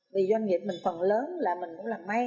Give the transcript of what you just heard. vì doanh nghiệp mình phần lớn là mình cũng là may